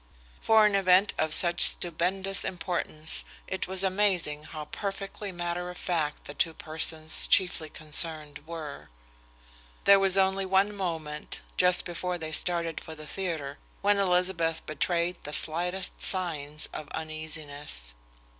For an event of such stupendous importance, it was amazing how perfectly matter of fact the two persons chiefly concerned were. There was only one moment, just before they started for the theatre, when Elizabeth betrayed the slightest signs of uneasiness.